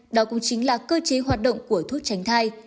đó cũng chính là cơ chế hoạt động của thuốc tránh thai